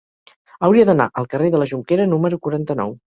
Hauria d'anar al carrer de la Jonquera número quaranta-nou.